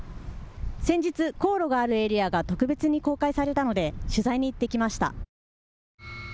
先日、高炉があるエリアが特別に公開されたので取材に行ってきました。